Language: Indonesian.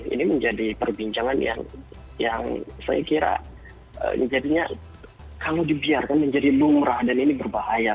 ini menjadi perbincangan yang saya kira jadinya kalau dibiarkan menjadi lumrah dan ini berbahaya